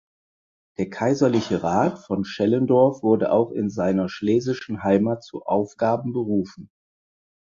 Der kaiserliche Rat von Schellendorf wurde auch in seiner schlesischen Heimat zu Aufgaben berufen.